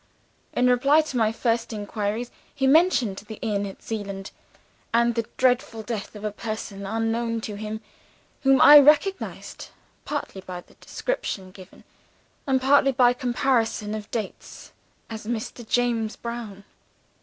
In reply to my first inquiries, he mentioned the inn at Zeeland, and the dreadful death of a person unknown to him; whom I recognized (partly by the description given, and partly by comparison of dates) as Mr. James Brown.